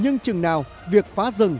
nhưng chừng nào việc phá rừng